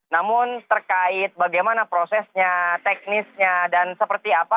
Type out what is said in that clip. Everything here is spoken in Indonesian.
namun terkait bagaimana prosesnya teknisnya dan seperti apa